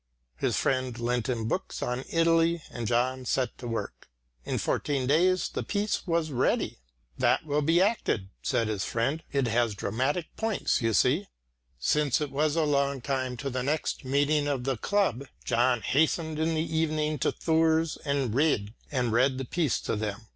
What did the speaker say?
His friend lent him books on Italy and John set to work. In fourteen days the piece was ready. "That will be acted," said his friend. "It has dramatic points, you see." Since it was still a long time to the next meeting of the club, John hastened in the evening to Thurs and Rejd and read the piece to them.